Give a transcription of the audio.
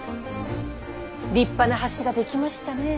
立派な橋が出来ましたね。